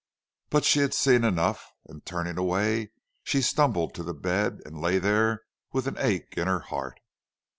But she had seen enough, and, turning away, she stumbled to the bed and lay there with an ache in her heart.